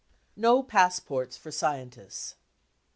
No Passports for Scientists.